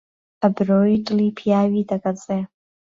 ئەبرۆی دڵی پیاوی دهگهزێ